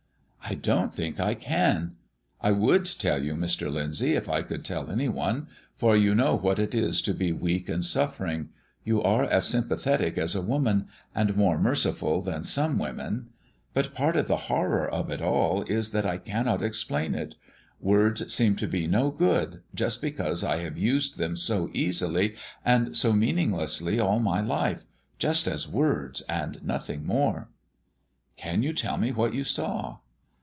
"I don't think I can. I would tell you, Mr. Lyndsay, if I could tell any one; for you know what it is to be weak and suffering; you are as sympathetic as a woman, and more merciful than some women. But part of the horror of it all is that I cannot explain it. Words seem to be no good, just because I have used them so easily and so meaninglessly all my life just as words and nothing more." "Can you tell me what you saw?"